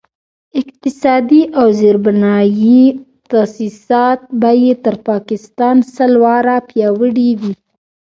اقتصادي او زیربنایي تاسیسات به یې تر پاکستان سل واره پیاوړي وي.